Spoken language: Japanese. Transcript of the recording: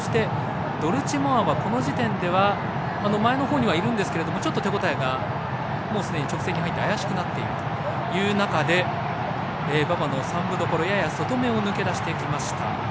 ドルチェモアは、この時点では前のほうに入るんですけれどもちょっと手応えがすでに直線に入って怪しくなっているという中で馬場のやや外めを抜け出しました。